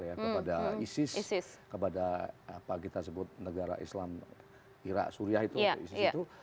kepada isis kepada apa kita sebut negara islam irak suriah itu